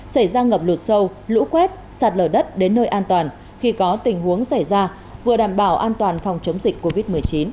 xảy ra ngập lụt sâu lũ quét sạt lở đất đến nơi an toàn khi có tình huống xảy ra vừa đảm bảo an toàn phòng chống dịch covid một mươi chín